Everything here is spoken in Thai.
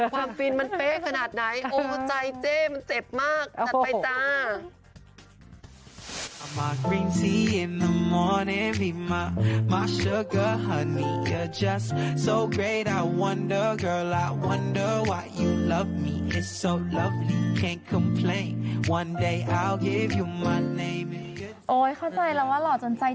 ฟินมันเป๊ะขนาดไหนโอ้ใจเจ๊มันเจ็บมากจัดไปจ้า